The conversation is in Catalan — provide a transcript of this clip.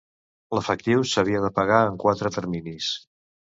L'efectiu s'havia de pagar en quatre terminis.